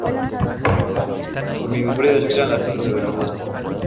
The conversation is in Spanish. por mi memoria desfilan las torres de Veracruz